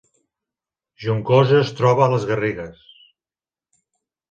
Juncosa es troba a les Garrigues